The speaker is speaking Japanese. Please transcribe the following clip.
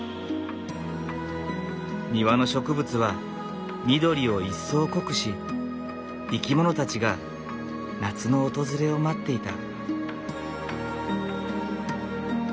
庭の植物は緑を一層濃くし生き物たちが夏の訪れを待っていた。